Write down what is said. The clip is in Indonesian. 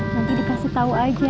nanti dikasih tau aja